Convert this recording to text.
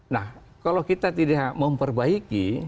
nah kalau kita tidak memperbaiki